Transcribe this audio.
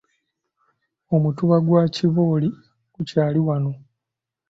Omutuba gwa Kibooli gukyaliwo.